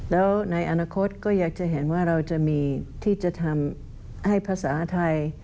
แล้วในอนาคตก็อยากจะเห็นว่าเราจะมีที่จะทำให้ภาษาไทย